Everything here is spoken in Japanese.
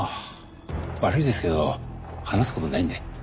悪いですけど話す事ないんで。